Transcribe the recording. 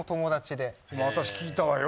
でも私聞いたわよ。